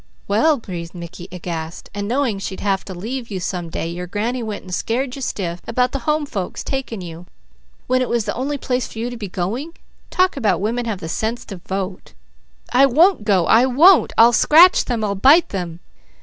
"Well!" breathed Mickey, aghast. "And knowing she'd have to leave you some day, your granny went and scared you stiff about the Home folks taking you, when it's the only place for you to be going? Talk about women having the sense to vote!" "I won't go! I won't! I'll scratch them! I'll bite them!"